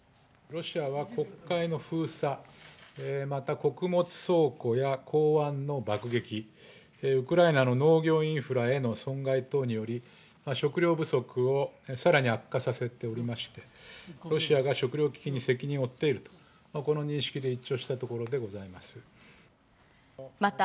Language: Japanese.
ロシアは黒海の封鎖、また穀物倉庫や港湾の爆撃、ウクライナの農業インフラへの損害等により、食料不足をさらに悪化させておりまして、ロシアが食料危機に責任を負っていると、この認識で一致をしたところでございます。